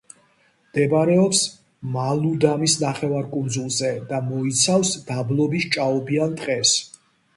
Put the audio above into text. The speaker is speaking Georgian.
მდებარეობს მალუდამის ნახევარკუნძულზე და მოიცავს დაბლობის ჭაობიან ტყეს.